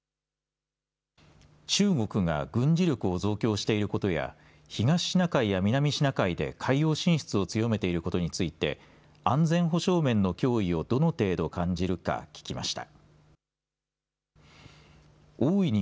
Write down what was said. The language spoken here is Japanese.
中国が軍事力を増強していることや、東シナ海や南シナ海で海洋進出を強めていることについて、安全保障面の脅威をどの程度感じるか聞きました。